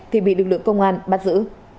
thì bị lực lượng công an bắt giữ